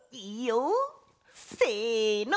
せの。